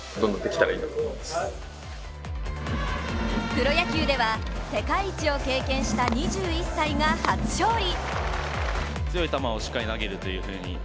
プロ野球では世界一を経験した２１歳が初勝利。